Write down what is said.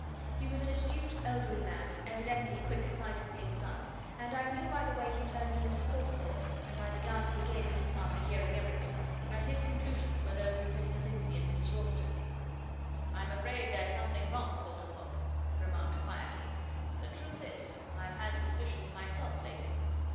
He was an astute, elderly man, evidently quick at sizing things up, and I knew by the way he turned to Mr. Portlethorpe and by the glance he gave him, after hearing everything, that his conclusions were those of Mr. Lindsey and Mrs. Ralston. "I'm afraid there's something wrong, Portlethorpe," he remarked quietly. "The truth is, I've had suspicions myself lately."